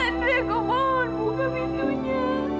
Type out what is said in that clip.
ndre aku mohon buka pintunya